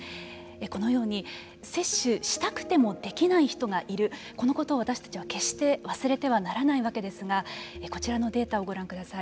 このように接種したくてもできない人がいるこのことを、私たちは決して忘れてはならないわけですがこちらのデータをご覧ください。